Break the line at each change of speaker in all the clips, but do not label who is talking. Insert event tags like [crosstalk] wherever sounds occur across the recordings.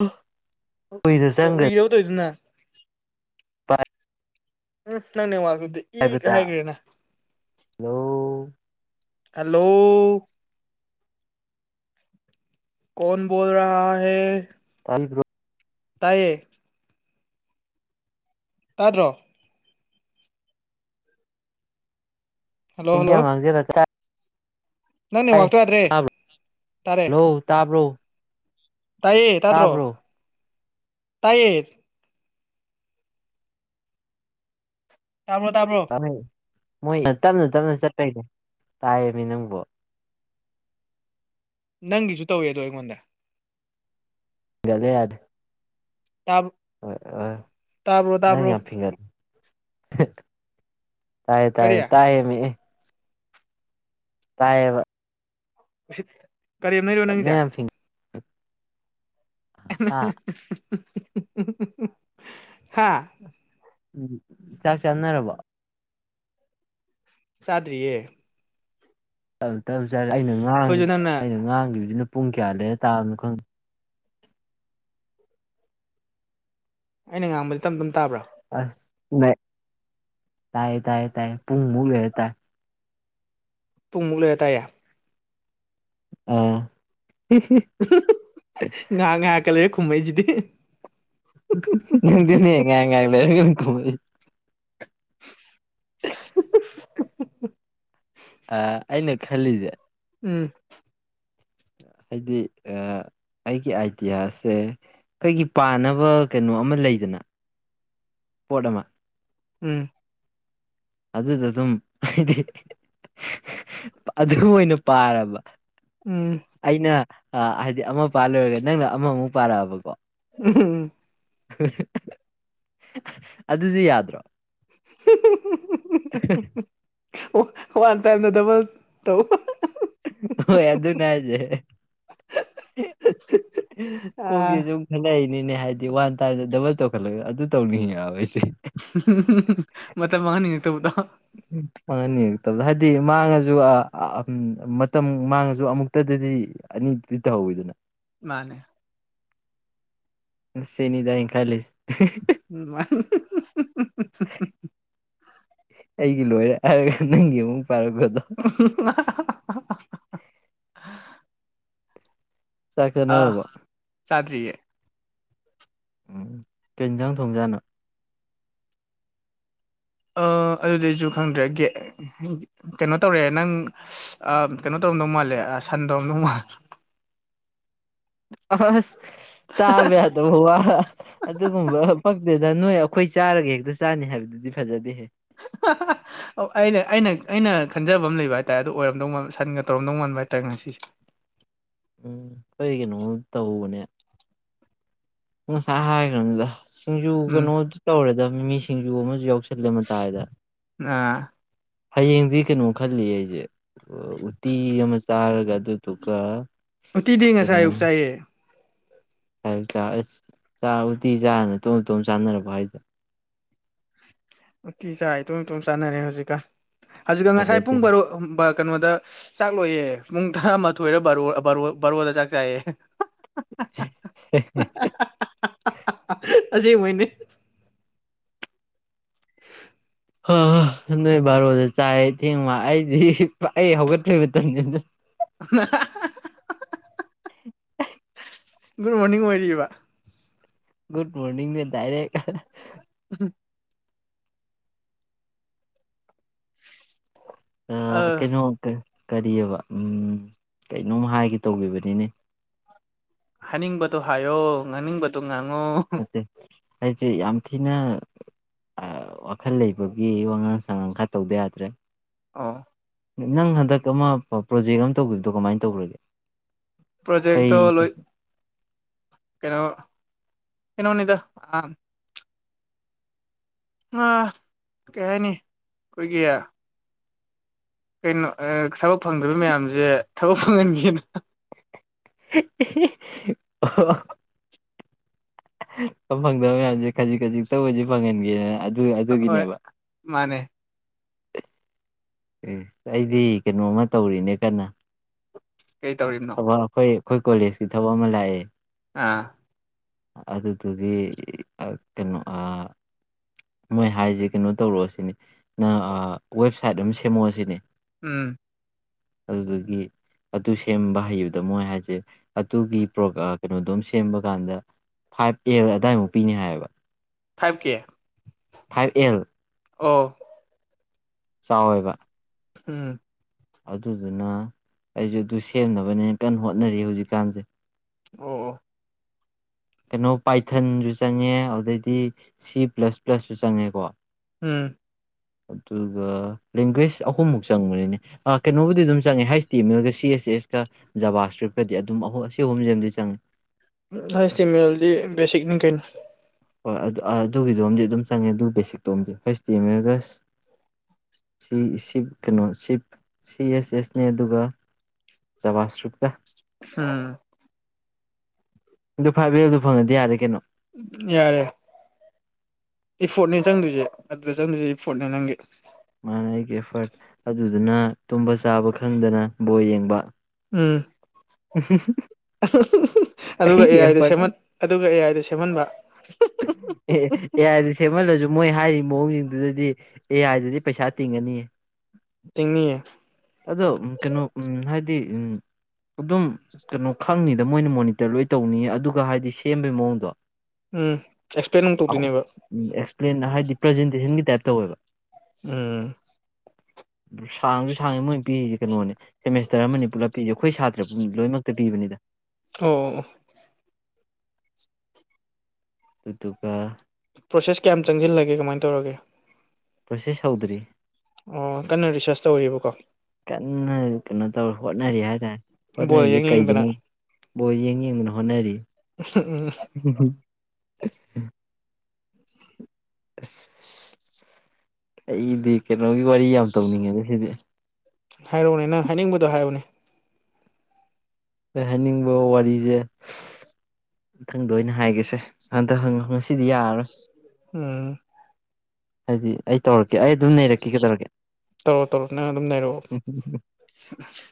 ꯑꯥ [inaudible]
ꯎꯏꯔꯕ ꯇꯧꯔꯤꯗꯨꯅ
ꯐꯥꯏ [unintelligible]
ꯎꯝ ꯅꯪ ꯅꯦꯠꯋꯥꯛꯇꯨꯗꯤ ꯏꯛ
ꯍꯥꯏꯕꯗ
ꯍꯥꯏꯈ꯭ꯔꯦꯅ
ꯍꯜꯂꯣ
ꯍꯜꯂꯣ ꯀꯣꯟ ꯣꯜ ꯔꯥ ꯍꯦ [unintelligible] [unintelligible]
ꯑꯜꯣ [unintelligible]
ꯇꯥꯢꯌꯦ ꯇꯥꯗ꯭ꯔꯣ ꯍꯜꯂꯣ ꯍꯜꯂꯣ
ꯏꯟꯗꯤꯌꯥ ꯃꯥꯥꯡꯒꯦꯔꯥ
ꯅꯪ ꯅꯦꯠꯋꯥꯛꯇꯣ ꯌꯥꯗ꯭ꯔꯦ
ꯇꯥꯕ꯭ꯔꯣ
ꯇꯥꯔꯦ
ꯍꯜꯂꯣ ꯇꯥꯕ꯭ꯔꯣ
ꯇꯥꯏꯌꯦ ꯇꯗ꯭ꯔꯣ
ꯇꯥꯕ꯭ꯔꯣ
ꯇꯥꯢꯌꯦ ꯇꯥꯕ꯭ꯔꯣ ꯇꯥꯕ꯭ꯔꯣ
ꯃꯣꯢ ꯃꯣꯏ ꯇꯞꯅ ꯇꯞꯅ ꯆꯠꯄꯩꯅꯦ ꯇꯥꯏꯌꯦꯃꯤ ꯅꯪꯕꯨ
ꯅꯪꯒꯤꯁꯨ ꯇꯧꯋꯦ ꯑꯩꯉꯣꯟꯗ
ꯗꯦ [unintelligible] ꯌꯥꯗꯦ
ꯇꯞ [unintelligible]
ꯅꯪ ꯌꯥꯝ ꯐꯤꯒꯜꯂꯦ ꯇꯥꯏ ꯇꯥꯏ
ꯀꯔꯤ
ꯇꯥꯏꯌꯦ ꯃꯤ ꯇꯥꯏꯌꯦꯕ
ꯀꯔꯦꯝꯅꯩꯔꯣ ꯅꯪꯒꯤꯁꯤ
ꯅꯪ ꯌꯥꯝ ꯐꯤꯡ ꯍꯥ
[unintelligible] ꯍꯥꯥ
ꯎꯝ ꯆꯥꯛ ꯆꯥꯅꯔꯕꯣ
ꯆꯥꯗ꯭ꯔꯤꯌꯦ
ꯇꯞ ꯇꯞ ꯆꯠꯔꯦ [unintelligible] ꯑꯩꯅ ꯉꯥꯡꯉꯤ
ꯑꯩꯈꯣꯏꯁꯨ ꯅꯪꯅ
ꯑꯩꯅ ꯉꯥꯡꯈꯤꯕꯁꯤꯅ ꯄꯨꯡ ꯀꯌꯥ ꯂꯩꯔ ꯇꯥꯕꯅꯣ ꯈꯪꯗꯦ
ꯑꯩꯅ ꯉꯥꯡꯕꯗꯤ ꯇꯞ ꯇꯞ ꯇꯥꯕ꯭ꯔꯥ
ꯑꯁ ꯇꯥꯢ ꯇꯥꯏ ꯄꯨꯡ ꯃꯨꯛ ꯂꯩꯔ ꯇꯥꯢ
ꯄꯨꯡ ꯃꯨꯛ ꯂꯩꯔ ꯇꯥꯏꯌꯦ
ꯑꯝ
ꯉꯥꯏꯍꯥꯛ ꯉꯥꯏꯍꯥꯛꯀ ꯂꯩꯔ ꯈꯨꯝꯃꯛꯢꯁꯤꯗꯤ
ꯑꯗꯨꯅꯦ ꯉꯥꯢꯍꯥꯛ ꯂꯩꯔꯒꯅꯦ ꯈꯨꯝꯃꯛꯢꯁꯦ
[unintelligible]
ꯑꯥ ꯑꯩꯅ ꯈꯜꯂꯤꯁꯦ
ꯎꯝ
ꯍꯥꯏꯗꯤ ꯑꯩꯒꯤ ꯑꯥꯏꯗꯤꯌꯥꯁꯦ ꯑꯩꯈꯣꯏꯒꯤ ꯄꯥꯅꯕ ꯀꯩꯅꯣ ꯑꯃ ꯂꯩꯗꯅ ꯄꯣꯠ ꯑꯃ
ꯎꯝ
ꯑꯗꯨꯗ ꯑꯗꯨꯝ ꯍꯥꯏꯗꯤ ꯑꯗꯨ ꯑꯣꯏꯅ ꯄꯥꯔꯕ
ꯎꯝ
ꯑꯩꯅ ꯍꯥꯏꯗꯤ ꯑꯃ ꯄꯥꯂꯣꯏꯔꯒ ꯅꯪꯅ ꯑꯃꯃꯨꯛ ꯄꯥꯔꯛꯑꯕꯀꯣ
ꯎꯝ
[unintelligible] ꯑꯗꯨꯁꯨ ꯌꯥꯗ꯭ꯔꯣ [unintelligible]
[unintelligible] ꯋꯥꯟ ꯇꯥꯏꯝꯗ ꯗꯕꯜ ꯇꯧ
ꯍꯣꯏ ꯑꯗꯨꯅꯦ ꯍꯥꯏꯁꯦ
ꯑꯥ
ꯀꯣꯛꯁꯦꯁꯨ [unintelligible] ꯍꯥꯏꯕꯗꯤ ꯋꯥꯟ ꯇꯥꯏꯝꯗ ꯗꯕꯜ ꯇꯧꯈꯠꯂꯒ ꯑꯗꯨ ꯇꯧꯅꯤꯡꯉꯕ ꯑꯩꯁꯦ
[unintelligible] ꯃꯇꯝ ꯃꯥꯡꯍꯟꯅꯤꯡꯉꯛꯇꯕꯗꯣ
ꯃꯪꯍꯟꯅꯤꯡꯉꯛꯇꯕꯗꯣ ꯍꯥꯏꯗꯤ ꯃꯥꯡꯉꯁꯨ ꯑ ꯃꯇꯝ ꯃꯥꯡꯉꯁꯨ ꯑꯃꯨꯛꯇꯗꯗꯤ ꯑꯅꯤ ꯇꯗꯤ ꯇꯧꯍꯧꯋꯤꯗꯅ
ꯃꯥꯅꯦ
ꯆꯦꯅꯤꯗꯥ ꯑꯩ ꯈꯜꯂꯤꯁꯦ
[unintelligible]
ꯑꯩꯒꯤ ꯂꯣꯏꯔꯦ ꯍꯥꯏꯔꯒ ꯅꯪꯒꯤ ꯑꯃꯨꯛ ꯄꯥꯔꯛꯄꯗꯣ
[unintelligible]
ꯆꯥꯛ
ꯑꯥ
ꯆꯥꯅꯔꯕꯣ
ꯆꯥꯗ꯭ꯔꯤꯌꯦ
ꯎꯝ ꯀꯩ ꯌꯦꯟꯖꯥꯡ ꯊꯣꯡꯖꯥꯠꯅꯣ
ꯑ ꯑꯗꯨꯗꯤ ꯑꯩꯁꯨ ꯈꯪꯗ꯭ꯔꯦ ꯀꯩꯅꯣ ꯇꯧꯔꯦ ꯅꯪ ꯑ ꯀꯩꯅꯣ ꯇꯧꯔꯝꯗꯧ ꯃꯥꯜꯂꯦ ꯁꯟ ꯇꯧꯔꯝꯗꯧ ꯃꯥꯜꯂꯦ
ꯑꯁ ꯇꯥꯕ ꯌꯥꯗꯕ ꯋꯥ ꯑꯗꯨꯒꯨꯝꯕ ꯄꯛ ꯅꯠꯇꯦꯗ ꯅꯣꯏ ꯑꯩꯈꯣꯏ ꯆꯥꯔꯒ ꯍꯦꯛꯇ ꯆꯥꯅꯤ ꯍꯥꯏꯕꯗꯨꯗꯤ ꯐꯖꯗꯦꯍꯦ
[unintelligible] ꯑꯣ ꯑꯩꯅ ꯑꯩꯅ ꯑꯩꯅ ꯈꯟꯖꯕ ꯑꯃ ꯂꯩꯕ ꯍꯥꯏꯇꯥꯔꯦ ꯑꯗꯨꯗ ꯑꯣꯏꯔꯝꯗꯧ ꯃꯟꯕ ꯁꯟꯒ ꯇꯧꯔꯝꯗꯧ ꯃꯥꯟꯕ ꯍꯥꯏꯇꯥꯔꯦ ꯉꯁꯤꯁꯦ
ꯎꯝ ꯑꯩ ꯀꯩꯅꯣ ꯑꯃ ꯇꯧꯕꯅꯦ ꯉꯁꯥꯏ ꯍꯥꯏꯈ꯭ꯔꯃꯤꯗ ꯁꯤꯡꯖꯨ
ꯎꯝ
ꯀꯩꯅꯣꯗꯨ ꯇꯧꯔꯦꯗ ꯃꯤꯃꯤ ꯁꯤꯡꯖꯨ ꯑꯃꯁꯨ ꯌꯥꯎꯁ ꯈꯜꯂꯦ ꯃꯇꯥꯏꯗ
ꯑꯥ
ꯍꯌꯦꯡꯗꯤ ꯀꯩꯅꯣ ꯈꯜꯂꯤꯌꯦ ꯑꯩꯁꯦ ꯎꯇꯤ ꯑꯃ ꯆꯥꯔꯒ ꯑꯗꯨꯗꯨꯒ
ꯎꯇꯤꯗꯤ ꯉꯁꯥꯏ
ꯀꯩꯅꯣꯝ
ꯑꯌꯨꯛ ꯆꯥꯏꯌꯦ
ꯑꯁ ꯎꯇꯤ ꯆꯥ ꯆꯥꯔ ꯅꯇꯣꯝ ꯅꯇꯣꯝ ꯆꯥꯅꯔꯕꯣ ꯍꯥꯏꯁꯦ
ꯎꯇꯤ ꯆꯥꯏ ꯏꯇꯣꯝ ꯏꯇꯣꯝ ꯆꯥꯅꯔꯦ ꯍꯧꯖꯤꯛꯀꯟ ꯍꯧꯖꯤꯛꯀ ꯉꯁꯥꯏ
ꯐꯖꯗꯦ
ꯄꯨꯡ ꯕꯔꯣ ꯀꯩꯅꯣꯗ ꯆꯥꯛ ꯂꯣꯏꯌꯦ ꯄꯨꯡ ꯇꯔꯥꯃꯊꯣꯏꯔ ꯕꯥ ꯕꯥꯔꯣꯗ ꯆꯥꯛ ꯆꯥꯏꯌꯦ
[unintelligible]
[unintelligible] ꯑꯁꯦꯡꯕꯩꯅꯦ [inaudible]
ꯍꯥ ꯅꯣꯏ ꯕꯥꯔꯣꯗ ꯆꯥꯏ ꯊꯦꯡꯕ ꯑꯩꯗꯤ ꯑꯩ ꯍꯧꯒꯠꯄꯩ ꯃꯇꯝꯅꯤ ꯑꯗꯨꯅ
[unintelligible]
[unintelligible]
ꯒꯨꯗ ꯃꯣꯔꯅꯤꯡ ꯑꯣꯏꯔꯤꯕ
ꯒꯨꯨꯗ ꯃꯣꯔꯅꯤꯡꯅꯤ ꯗꯥꯏꯔꯦꯛ
[unintelligible]
ꯑ ꯀꯩꯅꯣ ꯀꯔꯤꯑꯕ ꯀꯩꯅꯣꯝ ꯍꯥꯏꯒꯦ ꯇꯧꯈꯤꯕꯅꯤꯅꯦ
ꯍꯥꯏꯅꯤꯡꯕꯗꯣ ꯍꯥꯏꯌꯣ ꯉꯥꯡꯅꯤꯡꯕꯗꯨꯣ ꯉꯥꯡꯉꯣ
ꯅꯠꯇꯦ ꯑꯩꯁꯦ ꯌꯥꯝ ꯊꯤꯅ ꯑ ꯋꯥꯈꯜ ꯂꯩꯕꯒꯤ ꯋꯥꯉꯥꯡ ꯁꯉꯥꯡ ꯈꯔ ꯇꯧꯗ ꯌꯥꯗ꯭ꯔꯦ
ꯑꯣ
ꯅꯪ ꯍꯟꯗꯛ ꯑꯃ ꯄ꯭ꯔꯣꯖꯦꯛ ꯑꯃ ꯇꯧꯒꯤꯕꯗꯣ ꯀꯃꯥꯏꯅ ꯇꯧꯒ꯭ꯔꯒꯦ
ꯄ꯭ꯔꯣꯖꯦꯛꯇꯣ ꯂꯣꯏ ꯀꯩꯅꯣ ꯀꯩꯅꯣꯅꯤꯗ ꯑ ꯑ ꯀꯩ ꯍꯥꯏꯅꯤ ꯑꯩꯈꯣꯏꯒꯤ ꯀꯩꯅꯣ ꯑꯦ ꯊꯕꯛ ꯐꯪꯗ꯭ꯔꯤꯕ ꯃꯌꯥꯝꯁꯦ ꯊꯕꯛ ꯐꯪꯍꯟꯒꯦꯅ
[unintelligible] [unintelligible] ꯐꯪꯗꯕ ꯃꯌꯥꯝꯁꯦ ꯈꯖꯤꯛ ꯈꯖꯤꯛꯇ ꯑꯣꯏꯁꯨ ꯐꯪꯍꯟꯒꯦꯅ ꯑꯗꯨ__
ꯑꯈꯣꯏ ꯃꯥꯅꯦ
ꯑꯦ ꯑꯩꯗꯤ ꯀꯩꯅꯣꯝꯃ ꯇꯧꯔꯤꯅꯦ ꯀꯟꯅ
ꯀꯩ
ꯑ
ꯇꯧꯔꯤꯕꯅꯣ
ꯊꯕꯛ ꯑꯩꯈꯣꯏ ꯑꯩꯈꯣꯏ ꯀꯣꯂꯦꯖꯀꯤ ꯊꯕꯛ ꯑꯃ ꯂꯥꯛꯑꯦ
ꯑꯥ
ꯑꯗꯨꯗꯨꯒꯤ ꯑꯛ ꯀꯩꯅꯣ ꯑꯥ ꯃꯣꯏ ꯍꯥꯏꯖꯦ ꯀꯩꯅꯣ ꯇꯧꯔꯛꯑꯣ ꯁꯤꯅꯤ ꯅꯪ ꯑꯥ ꯋꯦꯕꯁꯥꯏꯠ ꯑꯃ ꯁꯦꯝꯃꯛꯑꯣ ꯁꯤꯅꯦ
ꯎꯝ
ꯑꯗꯨꯗꯨꯒꯤ ꯑꯗꯨ ꯁꯦꯝꯕ ꯍꯩꯕꯗ ꯃꯣꯏ ꯍꯥꯏꯁꯦ ꯑꯗꯨꯒꯤ ꯄ꯭ꯔꯣꯛ ꯀꯩꯅꯣꯗꯣꯝ ꯁꯦꯝꯕ ꯀꯥꯟꯗ ꯐꯥꯏꯚ ꯑꯦꯜ ꯑꯗꯥꯏꯃꯨꯛ ꯄꯤꯅꯤ ꯍꯥꯏꯌꯦꯕ
ꯐꯥꯏꯚ ꯀꯦ
ꯐꯥꯏꯚ ꯑꯦꯜ
ꯑꯣ
ꯆꯥꯎꯌꯦꯕ
ꯎꯝ
ꯑꯗꯨꯗꯨꯅ ꯑꯩꯁꯨ ꯑꯗꯨ ꯁꯦꯝꯅꯕꯅꯦꯅ ꯀꯟꯅ ꯍꯣꯠꯅꯔꯤ ꯍꯧꯖꯤꯛꯀꯥꯟꯁꯦ
ꯑꯣ ꯑꯣ
ꯀꯩꯅꯣ ꯄꯥꯏꯊꯟꯁꯨ ꯆꯪꯉꯦ ꯑꯗꯨꯗꯩꯗꯤ ꯁꯤ ꯄ꯭ꯂꯁ ꯄ꯭ꯂꯁꯁꯨ ꯆꯪꯉꯦꯀꯣ
ꯎꯝ
[inaudible] ꯑꯗꯨꯒ ꯂꯦꯡꯒ꯭ꯋꯦꯁ ꯑꯍꯨꯝꯃꯨꯛ ꯆꯪꯕꯅꯤꯅꯦ ꯑ ꯀꯩꯅꯣꯕꯨꯗꯤ ꯑꯗꯨꯝ ꯆꯪꯉꯦ ꯍꯥꯏꯁ ꯇꯤꯃꯦꯝ ꯑꯦꯜꯒ ꯁꯤ__ ꯁꯤ ꯑꯦꯁ ꯑꯦꯁ ꯀ ꯖꯕꯥ ꯁꯀ꯭ꯔꯤꯞꯀꯗꯤ ꯑꯗꯨꯝ ꯑꯍꯨ ꯁꯤ ꯑꯍꯨꯝꯖꯤꯝꯗꯤ ꯆꯪꯉꯦ
ꯍꯩꯁꯇꯤꯃꯦꯜꯗꯤ ꯕꯦꯁꯤꯛꯅꯤ ꯀꯩꯅꯣ
ꯍꯣꯏ ꯑꯗꯨ ꯑꯗꯨꯒꯤꯗꯣꯝꯗꯤ ꯑꯗꯨꯝ ꯆꯪꯉꯦ ꯑꯗꯨ ꯕꯦꯁꯤꯛꯇꯣꯝꯗꯤ ꯍꯩꯁꯇꯤ ꯃꯦꯝ ꯑꯦꯜꯒ ꯁ__ ꯁꯤ ꯁꯤꯞ ꯀꯩꯅꯣ ꯁꯤꯞ ꯁꯤ ꯑꯦꯁ ꯑꯦꯁꯅꯦ ꯑꯗꯨꯒ ꯆꯕꯥ ꯁꯀ꯭ꯔꯤꯞꯀ
ꯎꯝ
ꯑꯗꯨ ꯐꯥꯏꯚ ꯌꯔꯗꯣ ꯐꯪꯉꯗꯤ ꯌꯥꯔꯦ ꯀꯩꯅꯣ
ꯌꯥꯔꯦ ꯏꯐꯣꯔꯠꯅꯦ ꯆꯪꯗꯣꯏꯁꯦ ꯑꯗꯨꯗ ꯆꯪꯗꯣꯏꯁꯦ ꯏꯐꯣꯔꯠꯅꯦ ꯅꯪꯒꯤ
ꯃꯥꯅꯦ ꯑꯩꯒꯤ ꯑꯦꯐꯔꯠ ꯑꯗꯨꯗꯨꯅ ꯇꯨꯝꯕ ꯆꯥꯕ ꯈꯪꯗꯅ ꯕꯣꯜ ꯌꯦꯡꯕ
ꯎꯝ
[unintelligible]
[unintelligible] ꯑꯗꯨꯒ
ꯑꯩꯒꯤ
ꯑꯦꯑꯥꯏꯗ
ꯑꯦꯐꯔꯠ
ꯁꯦꯝꯍꯟ ꯑꯗꯨꯒ ꯑꯦꯑꯥꯏꯗ ꯁꯦꯝꯍꯟꯕ
[unintelligible] ꯑꯦꯍ ꯑꯦꯑꯥꯏꯅꯤ__ ꯁꯦꯝꯍꯜꯂꯁꯨ ꯃꯣꯏ ꯍꯥꯏꯔꯤ ꯃꯑꯣꯡꯁꯤꯡꯗꯨꯗꯗꯤ ꯑꯦ ꯑꯥꯏꯗꯗꯤ ꯄꯩꯁꯥ ꯇꯤꯡꯉꯅꯤꯌꯦ__
ꯇꯤꯡꯅꯤꯌꯦ
ꯑꯗꯣ ꯎꯝ ꯀꯩꯅꯣ ꯎꯝ ꯍꯥꯏꯗꯤ ꯎꯝ ꯑꯗꯨꯝ ꯀꯩꯅꯣ ꯈꯪꯅꯤꯗ ꯃꯣꯏꯅ ꯃꯣꯅꯤꯇꯔ ꯂꯣꯏ ꯇꯧꯅꯤꯌꯦ ꯑꯗꯨꯒ ꯍꯥꯏꯗꯤ ꯁꯦꯝꯕꯒꯤ ꯃꯑꯣꯡꯗꯣ
ꯎꯝ ꯑꯦꯛꯁꯄ꯭ꯂꯦꯟ ꯑꯃꯨꯛ ꯇꯧꯗꯣꯏꯅꯦꯕ
ꯎꯝ ꯑꯦꯛꯁꯄ꯭ꯂꯦꯟ ꯍꯥꯏꯗꯤ ꯄ꯭ꯔꯖꯦꯟꯇꯦꯁꯟꯒꯤ ꯇꯥꯏꯞ ꯇꯧꯋꯦꯕ
ꯎꯝ
ꯁꯥꯡꯖꯨ ꯁꯥꯡꯉꯦ ꯃꯣꯏꯅ ꯄꯤꯔꯤꯁꯦ ꯀꯩꯅꯣꯅꯦ ꯁꯦꯃꯦꯁꯇꯔ ꯑꯃꯅꯤ ꯄꯨꯂꯞ ꯄꯤꯔꯤꯁꯦ ꯑꯩꯈꯣꯏ ꯁꯥꯇꯔꯎꯝ ꯂꯣꯏꯃꯛꯇ ꯄꯤꯕꯅꯦꯗ
ꯑꯣ ꯑꯣ
ꯑꯗꯨꯗꯨꯒ
ꯄ꯭ꯔꯣꯁꯦꯁ ꯀꯌꯥꯝ ꯆꯪꯁꯤꯜꯂꯒꯦ ꯀꯃꯥꯏ ꯇꯧꯔꯒꯦ
ꯄ꯭ꯔꯣꯁꯦꯁ ꯍꯧꯗ꯭ꯔꯤ
ꯑꯣ ꯑꯣ ꯀꯟꯅ ꯔꯤꯁꯥꯔꯁ ꯇꯧꯔꯤꯕꯀꯣ
ꯀꯟꯅ ꯀꯩꯅꯣ ꯇꯧꯔꯤ ꯍꯣꯠꯅꯔꯤ ꯍꯥꯏꯇꯥꯔꯦ
ꯕꯣꯜ ꯌꯦꯡ
ꯍꯣꯠꯅꯔꯤꯁꯤ
ꯌꯦꯡꯗꯅ
ꯀꯩꯒꯤꯅꯣ ꯕꯣꯜ ꯌꯦꯡ ꯌꯦꯡꯗꯨꯅ ꯍꯣꯠꯅꯔꯤ
ꯎ ꯎꯝ [unintelligible]
ꯎꯝꯝ [unintelligible] ꯑꯁ ꯑꯩꯗꯤ ꯀꯩꯅꯣꯒꯤ ꯋꯥꯔꯤ ꯌꯥꯝ ꯇꯧꯅꯤꯡꯉꯦꯗ ꯁꯤꯗꯤ
ꯍꯥꯏꯔꯛꯎꯅꯦ ꯅꯪ ꯍꯥꯏꯅꯤꯡꯕꯗꯣ ꯍꯥꯏꯌꯨꯅꯦ
ꯑꯩ ꯍꯥꯏꯅꯤꯡꯕ ꯋꯥꯔꯤꯁꯦ ꯃꯊꯪꯗ ꯑꯣꯏꯅ ꯍꯥꯏꯒꯦꯁꯦ ꯍꯟꯗꯛ ꯉꯁꯤꯗꯤ ꯌꯥꯔꯔꯣꯏ
ꯎꯝ
ꯍꯥꯏꯗꯤ ꯑꯩ ꯇꯧꯔꯛꯀꯦ ꯑꯩ ꯑꯗꯨꯝ ꯅꯩꯔꯛꯀꯦ ꯀꯩꯗꯧꯔꯒꯦ
ꯇꯧꯔꯣ ꯇꯧꯔꯣ ꯅꯪ ꯑꯗꯨꯝ ꯅꯩꯔꯛꯑꯣ
ꯎꯝꯝꯝ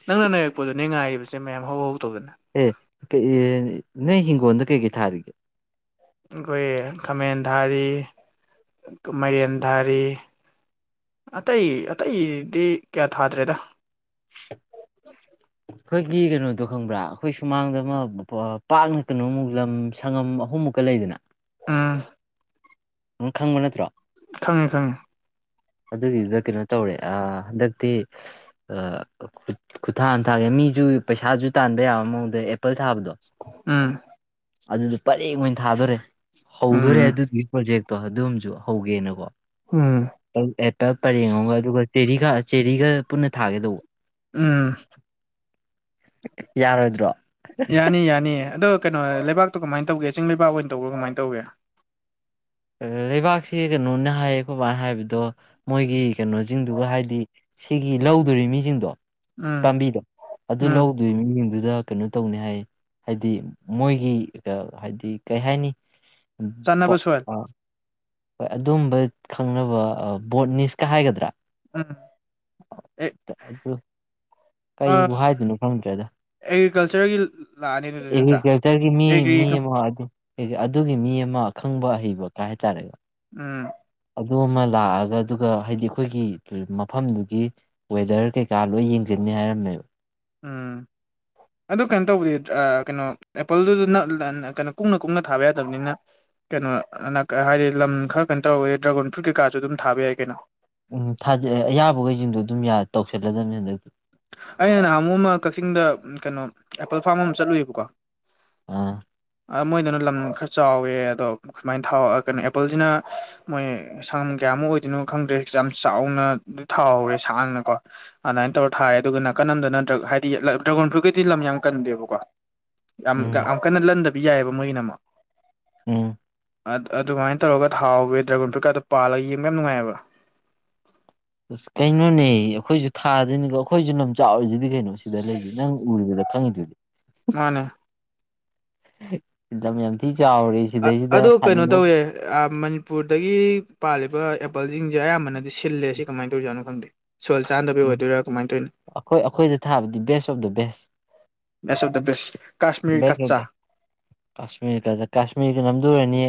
ꯅꯪꯅ ꯅꯩꯔꯛꯄꯗꯨꯅꯦ ꯉꯥꯏꯔꯤꯕꯁꯦ ꯃꯌꯥꯝ ꯍꯧ ꯍꯧ ꯇꯧꯗꯅ
ꯑꯦ ꯀ ꯅꯣꯏ ꯍꯤꯡꯒꯣꯜꯗ ꯀꯩꯀꯩ ꯊꯥꯔꯤꯒꯦ
ꯑꯩꯈꯣꯏ ꯈꯥꯃꯦꯟ ꯊꯥꯔꯤ ꯃꯥꯏꯔꯦꯟ ꯊꯥꯔꯤ ꯑꯇꯩ ꯑꯇꯩꯗꯤ ꯀꯌꯥ ꯊꯥꯗ꯭ꯔꯦꯗ
ꯍ [inaudible] ꯑꯩꯈꯣꯏꯒꯤ ꯀꯩꯅꯣꯗꯣ ꯈꯪꯕ꯭ꯔꯥ ꯑꯩꯈꯣꯏ ꯁꯨꯃꯥꯡꯗ ꯑꯃ ꯄꯥꯛꯅ ꯀꯩꯅꯣꯃꯨꯛ ꯂꯝ ꯁꯪꯉꯝ ꯑꯍꯨꯝꯃꯨꯛꯀ ꯂꯩꯗꯅ
ꯑꯥ
ꯅꯪ ꯈꯪꯕ ꯅꯠꯇ꯭ꯔꯣ
ꯈꯪꯉꯦ ꯈꯪꯉꯦ
ꯑꯗꯨꯒꯤꯗꯨꯗ ꯀꯩꯅꯣ ꯇꯧꯔꯦ ꯑ ꯍꯟꯗꯛꯇꯤ ꯑ ꯈꯨꯠꯊꯥꯑꯝ ꯊꯥꯒꯦ ꯃꯤꯁꯨ ꯄꯩꯁꯥꯁꯨ ꯇꯥꯟꯕ ꯌꯥꯕ ꯃꯑꯣꯡꯗ ꯑꯦꯄꯜ ꯊꯥꯕꯗꯣ
ꯎꯝ
ꯑꯗꯨꯗꯣ ꯄꯔꯦꯡ ꯜꯜꯑꯣꯏꯅ ꯊꯥꯗꯣꯔꯦ
ꯎꯝ
ꯍꯧꯗꯣꯔꯦ ꯑꯗꯨꯗꯨꯒꯤ ꯄ꯭ꯔꯣꯖꯦꯛ ꯇꯣ ꯑꯗꯨꯝꯁꯨ ꯍꯧꯒꯦꯅꯀꯣ
ꯎꯝ
ꯑꯦꯄꯜ ꯄꯔꯦꯡꯑꯝꯒ ꯑꯗꯨꯒ ꯆꯦꯔꯤꯒ ꯆꯦꯔꯤꯒ ꯄꯨꯟꯅ ꯊꯥꯒꯦ ꯇꯧꯕ
ꯎꯝ
ꯌꯥꯔꯣꯏꯗ꯭ꯔꯣ
ꯌꯥꯅꯤ ꯌꯥꯅꯤ ꯑꯗꯣ ꯀꯩꯅꯣ ꯂꯩꯕꯥꯛꯇꯣ ꯀꯃꯥꯏꯅ ꯇꯧꯒꯦ ꯆꯤꯡ ꯂꯩꯕꯥꯛ ꯑꯣꯏꯅ ꯇꯧꯕ꯭ꯔꯥ ꯀꯃꯥꯏꯅ ꯇꯧꯒꯦ
ꯂꯩꯕꯥꯛꯁꯦ ꯀꯩꯅꯣꯅ ꯍꯥꯏꯌꯦ ꯈꯣꯕꯥꯅ ꯍꯥꯏꯕꯗꯣ ꯃꯣꯏꯒꯤ ꯀꯩꯅꯣꯁꯤꯡꯗꯨꯒ ꯍꯥꯏꯗꯤ ꯁꯤꯒꯤ ꯂꯧꯗꯣꯔꯤ ꯃꯤꯁꯤꯡꯗꯣ
ꯎꯝ
ꯄꯥꯝꯕꯤꯗꯣ ꯑꯗꯨ
ꯎꯝ
ꯂꯧ ꯑꯗꯨꯏ ꯃꯤꯁꯤꯡꯗꯨꯗ ꯀꯩꯅꯣ ꯇꯧꯅꯤ ꯍꯥꯏ ꯍꯥꯏꯗꯤ ꯃꯣꯏꯒꯤ ꯍꯥꯏꯗꯤ ꯀꯩ ꯍꯥꯏꯅꯤ
ꯆꯥꯟꯅꯕ ꯁꯣꯏꯜ
ꯍꯣꯏ ꯑꯗꯨꯝꯕ ꯈꯪꯅꯕ ꯕꯣꯠꯅꯤꯁꯀ ꯍꯥꯏꯒꯗ꯭ꯔꯥ
ꯎꯝ ꯑꯦ
ꯑꯗꯨ ꯀꯩꯕꯨ ꯍꯥꯏꯗꯣꯏꯅꯣ ꯈꯪꯗ꯭ꯔꯦꯗ
ꯑꯦꯒ꯭ꯔꯤꯀꯜꯆꯔꯒꯤ ꯂꯥꯛꯑꯅꯤ ꯑꯗꯨꯗꯤ ꯅꯠꯇ꯭ꯔꯥ
ꯑꯩꯒꯤꯔꯀꯜꯆꯔ ꯒꯤ ꯃꯤ
ꯑꯦꯒ꯭ꯔꯤ
ꯃꯤ ꯃ ꯑꯗꯤ ꯑꯗꯨꯒꯤ ꯃꯤ ꯑꯃ ꯑꯈꯪꯕ ꯑꯍꯩꯕ ꯀꯥꯏ ꯍꯥꯏꯇꯥꯔꯦꯀꯣ
ꯎꯝ
ꯑꯗꯨ ꯑꯃ ꯂꯥꯛꯑꯒ ꯑꯗꯨꯒ ꯍꯥꯏꯗꯤ ꯑꯩꯈꯣꯏꯒꯤ ꯃꯐꯝꯗꯨꯒꯤ ꯋꯦꯗꯔ ꯀꯩꯀꯥ ꯂꯣꯏ ꯌꯦꯡꯁꯤꯟꯅꯤ ꯍꯥꯏꯔꯝꯃꯦꯕ
ꯎꯝ ꯑꯗꯨ ꯀꯩꯅꯣ ꯇꯧꯕꯗꯤ ꯀꯩꯅꯣ ꯑꯦꯄꯜꯗꯨꯗ ꯀꯩꯅꯣ ꯀꯨꯡꯅ ꯀꯨꯡꯅ ꯊꯥꯕ ꯌꯥꯗꯕꯅꯤꯅ ꯀꯩꯅꯣ ꯍꯥꯏꯗꯤ ꯂꯝ ꯈꯔ ꯀꯩꯅꯣ ꯇꯧꯔꯒ ꯗ꯭ꯔꯥꯒꯣꯟ ꯐ꯭ꯔꯨꯠ ꯀꯩꯀꯥꯁꯨ ꯑꯗꯨꯝ ꯊꯥꯕ ꯌꯥꯏ ꯀꯩꯅꯣ
ꯎꯝ ꯊꯥꯖꯦ ꯑꯌꯥꯕꯈꯩꯁꯤꯡꯗꯣ ꯑꯗꯨꯝ ꯇꯧꯁꯤꯜꯂꯗꯕꯅꯤ ꯍꯟꯗꯛꯇꯤ
ꯑꯩꯅ ꯅꯍꯥꯟꯃꯨꯛ ꯑꯃ ꯀꯛꯆꯤꯡꯗ ꯀꯩꯅꯣ ꯑꯦꯄꯜ ꯐꯥꯔꯝ ꯑꯃ ꯆꯠꯂꯨꯏꯕꯀꯣ
ꯑꯥ
ꯃꯣꯏꯗꯨꯅ ꯂꯝ ꯈꯔ ꯆꯥꯎꯋꯦ ꯑꯗꯣ ꯁꯨꯃꯥꯏꯅ ꯊꯥꯎꯔꯛꯑ ꯀꯩꯅ ꯑꯦꯄꯜꯁꯤꯅ ꯃꯣꯏ ꯁꯪꯉꯝ ꯀꯌꯥꯃꯨꯛ ꯑꯣꯏꯗꯣꯏꯅꯣ ꯈꯪꯗ꯭ꯔꯦꯁꯦ ꯌꯥꯝ ꯆꯥꯎꯅ ꯊꯥꯎꯍꯧꯔꯦ ꯁꯥꯡꯅ ꯀꯣ ꯑꯗꯨꯃꯥꯏꯅ ꯇꯧꯔ ꯊꯥꯏ ꯑꯗꯨꯒ ꯅꯥꯀꯟ ꯑꯝꯗꯅ ꯗ꯭ꯔꯥ ꯍꯥꯏꯗꯤ ꯗ꯭ꯔꯥꯒꯣꯟ ꯐ꯭ꯔꯨꯠꯀꯤꯗꯤ ꯂꯝ ꯌꯥꯝꯅ ꯀꯟꯗꯦꯕꯀꯣ ꯌꯥꯝ
ꯎꯝ
ꯌꯥꯝ ꯀꯟꯅ ꯂꯟꯗꯕꯤ ꯌꯥꯏꯑꯕ ꯃꯣꯏꯒꯤꯅ ꯑꯃ
ꯎꯝ....
ꯑ ꯑꯗꯨꯃꯥꯏꯅ ꯇꯧꯔꯒ ꯊꯥꯑꯣꯕ ꯗ꯭ꯔꯥꯒꯣꯟ ꯐ꯭ꯔꯨꯠꯀꯗꯣ ꯄꯥꯜꯂ ꯌꯦꯕ ꯌꯥꯝ ꯅꯨꯡꯉꯥꯏꯑꯕ
ꯑꯁ ꯀꯩꯅꯣꯅꯦ ꯑꯩꯈꯣꯏꯁꯨ ꯊꯥꯗꯣꯏꯅꯤꯕ ꯑꯩꯈꯣꯏꯁꯨ ꯂꯝ ꯆꯥꯎꯔꯤꯁꯤꯗꯤ ꯀꯩꯅꯣ ꯁꯤꯗ ꯂꯩꯁꯦ ꯅꯪ ꯎꯔꯤꯕꯗ ꯈꯪꯉꯤꯗꯨꯗꯤ
ꯃꯥꯅꯦ
ꯌꯥꯝ ꯌꯥꯝ ꯊꯤ ꯆꯥꯎꯔꯤ
ꯑꯗꯨ ꯀꯩꯅꯣ ꯇꯧꯋꯦ ꯑ ꯃꯅꯤꯄꯨꯔꯗꯒꯤ ꯄꯥꯜꯂꯤꯕ ꯑꯦꯄꯜꯁꯤꯡꯁꯦ ꯑꯌꯥꯝꯕꯅꯗꯤ ꯁꯤꯜꯂꯦ ꯁꯤ ꯀꯃꯥꯏꯅ ꯇꯧꯖꯥꯅꯣ ꯈꯪꯗꯦ ꯁꯣꯜ ꯆꯥꯟꯅꯗꯕ
ꯎꯝ
ꯑꯣꯏꯗꯣꯏꯔꯥ ꯀꯃꯥꯏꯅ ꯇꯧꯏꯅꯣ
ꯑꯩꯈꯣꯏ ꯑꯩꯈꯣꯏꯗ ꯊꯥꯕꯗꯤ best of the best
best of the best Kashmir
best of
ꯀꯠꯆꯥ
ꯗ ꯀꯥꯁꯃꯤꯔꯒ ꯀꯥꯁꯃꯤꯔꯒ ꯅꯝꯗꯨ ꯑꯣꯏꯔꯅꯤ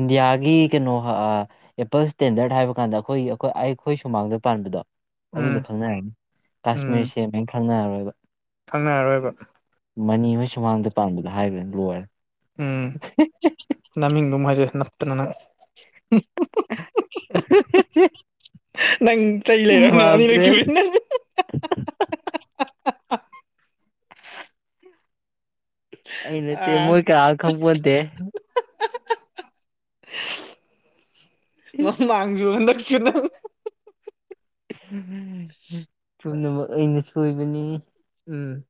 ꯏꯟꯗꯤꯌꯥꯒꯤ ꯀꯩꯅꯣ ꯑ.... ꯑꯦꯄꯜ ꯁ꯭ꯇꯥꯟꯗꯥꯔ ꯍꯥꯏꯕ ꯀꯥꯟꯗ ꯑꯩꯈꯣꯏꯒꯤ ꯑꯩꯈꯣꯏ ꯑꯩꯈꯣꯏ ꯁꯨꯃꯥꯡꯗ ꯄꯥꯟꯕꯗꯣ
ꯎꯝ
ꯑꯗꯨꯁꯨ ꯈꯪꯅꯩ ꯀꯥꯁꯃꯤꯔ ꯁꯦꯝ ꯂꯥꯏꯅ ꯈꯪꯅꯔꯔꯣꯏꯕ
ꯈꯪꯅꯔꯣꯏꯕꯣ
ꯃꯅꯤꯈꯣꯢ ꯁꯨꯃꯥꯡꯗ ꯄꯥꯟꯕꯗꯣ ꯍꯥꯏꯗ꯭ꯔꯥꯗꯤ ꯂꯣꯏꯔꯦ
ꯎꯝ ꯅꯃꯤꯡꯗꯨꯝ ꯍꯥꯏꯖꯤꯜꯂꯨ ꯅꯞꯇꯅ ꯅꯪ ꯍꯨ....... ꯅꯪ ꯆꯩ ꯂꯩꯔꯕꯅꯦ ꯑꯅꯤꯔꯛ
ꯃꯥꯜꯂꯦ
ꯁꯨꯔꯦ ꯅꯪ
ꯑꯩ ꯅꯠꯇꯦ
ꯑꯥ
ꯃꯣꯏ ꯀꯌꯥ ꯈꯪꯄꯣꯠ ꯅꯗꯦ
ꯃꯃꯥꯡꯁꯨ ꯍꯟꯗꯥꯛꯁꯨ ꯅꯪ
ꯍꯝ.......... ꯄꯨꯝꯅꯃꯛ ꯑꯩꯅ ꯁꯣꯏꯕꯅꯤ
ꯎꯝ.....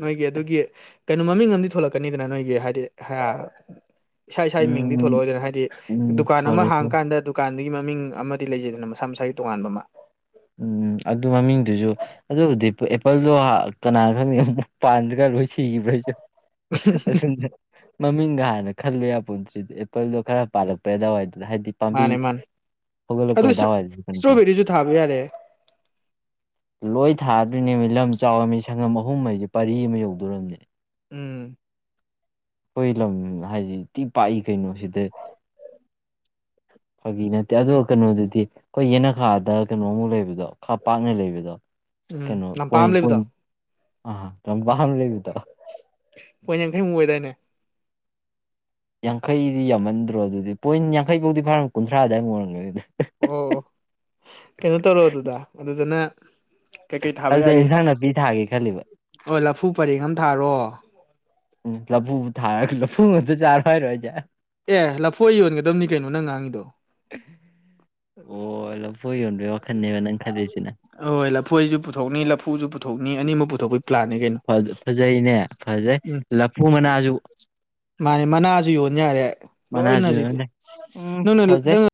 ꯅꯣꯢꯒꯤ..... ꯑꯗꯨꯒꯤ ꯀꯩꯅꯣ ꯃꯃꯤꯡ ꯑꯃꯗꯤ ꯊꯣꯂꯛꯀꯅꯤꯗꯅ ꯅꯣꯏꯒꯤ ꯍꯥꯏꯗꯤ ꯍꯥ ꯏꯁꯥ ꯏꯁꯥꯒꯤ ꯃꯤꯡꯗꯤ
ꯎꯝ
ꯊꯣꯂꯣꯢꯗꯅ ꯍꯥꯏꯗꯤ
ꯎꯝ
ꯗꯨꯀꯥꯟ ꯑꯃ
ꯊꯣꯛꯂꯣꯏ
ꯍꯥꯡ
ꯊꯣꯛ
ꯀꯥꯟꯗ ꯗꯨ... ꯗꯨꯀꯥꯟꯗꯨꯒꯤ ꯃꯃꯤꯡ ꯑꯃꯗꯤ ꯂꯩꯖꯩꯗꯅ ꯃꯁꯥ ꯃꯁꯥꯒꯤ ꯇꯣꯉꯥꯟꯕ ꯑꯃ
ꯎꯝ ꯑꯗꯨ ꯃꯃꯤꯡꯗꯨꯁꯨ ꯑꯗꯨꯕꯨꯗꯤ ꯑꯦꯄꯜꯗꯣ ꯀꯅꯥꯅ ꯈꯪꯗꯦ ꯑꯃꯨꯛ ꯄꯥꯟꯗꯅ ꯂꯣꯏ ꯁꯤꯈꯤꯕ꯭ꯔꯥ ꯍꯥꯢꯁꯨ ꯑꯁꯨꯡꯖꯦ ꯃꯃꯤꯡꯒ ꯍꯥꯟꯅ ꯈꯜꯂꯨ ꯌꯥ ꯄꯨꯠ ꯅꯠꯇ꯭ꯔꯤ ꯑꯦꯄꯜꯗꯣ ꯈꯔꯥ ꯄꯥꯜꯂꯛꯄ ꯑꯗꯨꯋꯥꯏꯗꯨꯗ ꯍꯥꯏꯗꯤ ꯄꯥꯝꯕꯤ
ꯃꯥꯅꯦ ꯃꯥꯅꯦ
ꯍꯧꯒꯠꯂꯛꯄ
ꯑꯗꯨ
ꯑꯗꯨꯋꯥꯢꯗ....
ꯏꯁꯇ꯭ꯔꯣꯕꯦꯔꯤꯁꯨ ꯊꯥꯕ ꯌꯥꯔꯦ
ꯂꯣꯏ ꯊꯥꯗ꯭ꯣꯢꯅꯦ ꯂꯝ ꯆꯥꯎꯑꯃꯤ ꯁꯪꯉꯝ ꯑꯍꯨꯝꯍꯥꯢꯁꯦ ꯄꯔꯤ ꯑꯃ ꯌꯧꯗꯧꯔꯕꯅꯦ
ꯎꯝ....
ꯑꯩꯈꯣꯏ ꯂꯝ ꯍꯥꯏꯁꯤ ꯊꯤ ꯄꯥꯛꯏ ꯀꯩꯅꯣ ꯁꯤꯗꯗꯤ ꯐꯒꯤ ꯅꯠꯇꯦ ꯑꯗꯣ ꯀꯩꯅꯣꯗꯨꯗꯤ ꯑꯩꯈꯣꯏ ꯌꯦꯅꯈꯥ.... ꯗ ꯀꯩꯅꯣꯃꯨꯛ ꯂꯩꯕꯗꯣ ꯈꯔ ꯄꯥꯛꯅ ꯂꯩꯕꯗꯣ
ꯎꯝ
ꯀꯩꯅꯣ
ꯂꯝꯄꯥꯛ
ꯄꯣꯏꯟ
ꯑꯃ
ꯄꯣꯏꯟ
ꯂꯩꯕꯗꯣ
ꯗ ꯑ ꯋꯥ ꯑꯃ ꯂꯩꯕꯤ ꯇꯣ
ꯄꯣꯏꯟ ꯌꯥꯡꯈꯩ ꯃꯨꯛ ꯑꯣꯏꯔꯦꯅꯦ
ꯌꯥꯡꯈꯩꯗꯤ ꯌꯥꯝꯃꯟꯗ꯭ꯔꯣ ꯑꯗꯨꯗꯤ ꯄꯣꯏꯟ ꯌꯥꯡꯈꯩ ꯐꯧꯗꯤ ꯐꯔꯣꯢ ꯀꯨꯟꯊ꯭ꯔꯥ ꯑꯗꯨꯋꯥꯏ ꯑꯣꯏꯔꯝꯒꯅꯤꯗ
ꯑꯣ ꯀꯩꯅꯣ ꯇꯧꯔꯣ ꯑꯗꯨꯗ ꯑꯗꯨꯗꯅ... ꯀꯩ-ꯀꯩ ꯊꯥꯕ
ꯑꯗꯨꯗ
ꯌꯥꯔꯤ
ꯏꯟꯁꯥꯡ ꯅꯥꯄꯤ ꯊꯥꯒꯦ ꯈꯜꯂꯤꯕ
ꯑꯣ ꯂꯐꯨ ꯄꯔꯦꯡ ꯑꯃ ꯊꯥꯔꯣ
ꯎꯝ ꯂꯐꯨ ꯊꯥꯔꯒ ꯂꯐꯨ ꯉꯛꯇꯥ ꯆꯥꯔꯣ ꯍꯥꯏꯔꯤꯁꯦ
ꯑꯦ ꯂꯐꯣꯏ ꯌꯣꯟꯒꯗꯕꯅꯤ ꯀꯩꯅꯣ ꯅꯪ ꯉꯥꯡꯉꯤꯗꯣ
ꯑꯣ ꯂꯐꯨ ꯌꯣꯟꯕꯩ ꯋꯥꯈꯜꯅꯦꯕ ꯅꯪ ꯈꯜꯂꯤꯁꯤꯅ
ꯍꯣꯏ ꯂꯐꯣꯏꯁꯨ ꯄꯨꯊꯣꯛꯅꯤ ꯂꯐꯨꯁꯨ ꯄꯨꯊꯣꯛꯅꯤ ꯑꯅꯤꯃꯛ ꯄꯨꯊꯣꯛꯄꯒꯤ ꯄ꯭ꯂꯥꯟꯅꯦ ꯀꯩꯅꯣ
ꯐꯖꯩꯅꯦ ꯐꯖꯩ ꯂꯐꯨ ꯃꯅꯥꯁꯨ.....
ꯃꯥꯢ ꯃꯅꯥꯁꯨ ꯌꯣꯟꯅꯤ ꯌꯥꯔꯦ ꯂꯣꯏꯅ
ꯃꯅꯥꯁꯨ
ꯍꯧꯖꯤꯛꯇꯤ
ꯌꯣꯟꯂꯦ ꯎꯝ
ꯅꯪꯅ
ꯐꯖꯩ
ꯅꯪꯅ